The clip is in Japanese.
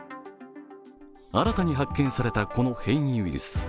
新たに発見されたこの変異ウイルス。